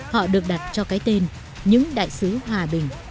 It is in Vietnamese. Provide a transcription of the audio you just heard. họ được đặt cho cái tên những đại sứ hòa bình